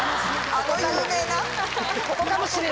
あの有名な？